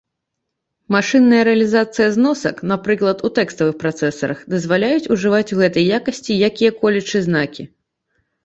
Машынныя рэалізацыі зносак, напрыклад, у тэкставых працэсарах, дазваляюць ужываць у гэтай якасці якія-колечы знакі.